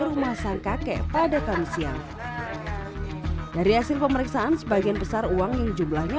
rumah sang kakek pada kamis siang dari hasil pemeriksaan sebagian besar uang yang jumlahnya